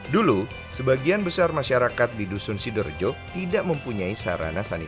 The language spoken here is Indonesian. dulu sebagian besar masyarakat di dusun sidorejo tidak mempunyai sarana untuk menjaga keamanan